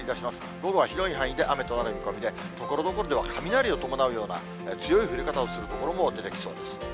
午後は広い範囲で雨となる見込みで、ところどころでは雷を伴うような、強い降り方をする所も出てきそうです。